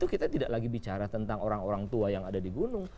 kita tidak lagi bicara tentang orang orang tua yang ada di gunung